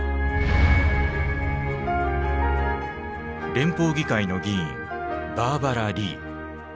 連邦議会の議員バーバラ・リー。